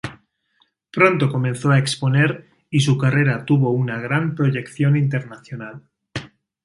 Pronto comenzó a exponer y su carrera tuvo una gran proyección internacional.